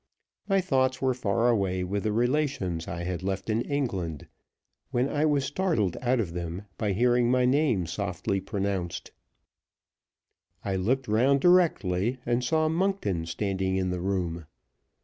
My thoughts were far away with the relations I had left in England, when I was startled out of them by hearing my name softly pronounced. I looked round directly, and saw Monkton standing in the room.